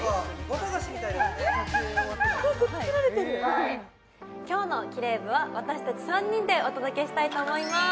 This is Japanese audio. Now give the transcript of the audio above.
何か作られてる今日のキレイ部は私達３人でお届けしたいと思います